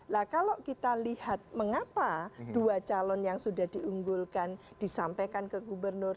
nah kalau kita lihat mengapa dua calon yang sudah diunggulkan disampaikan ke gubernur